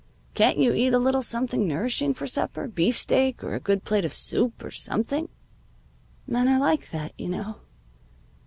Can't you eat a little something nourishing for supper beefsteak, or a good plate of soup, or something?' "Men are like that, you know.